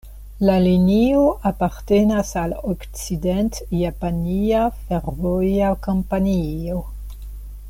La linio apartenas al Okcident-Japania Fervoja Kompanio.